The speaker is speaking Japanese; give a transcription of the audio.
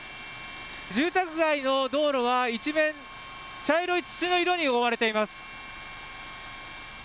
住宅街の道路は一面、茶色い土の色に覆われています。